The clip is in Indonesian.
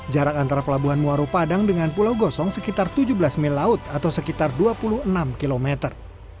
jarak antara pelabuhan muaru padang dengan pulau gosong sekitar tujuh belas mil laut atau sekitar dua puluh enam kilometer